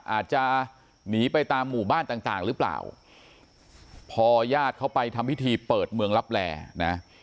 อาจจะหนีไปตามหมู่บ้านต่างต่างหรือเปล่าพอญาติเขาไปทำพิธีเปิดเมืองลับแลนะ